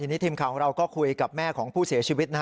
ทีนี้ทีมข่าวของเราก็คุยกับแม่ของผู้เสียชีวิต